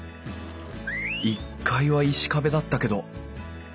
１階は石壁だったけど。